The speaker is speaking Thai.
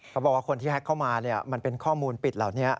เขาบอกว่าคนที่แฮ็กเข้ามามันเป็นข้อมูลปิดเหล่านี้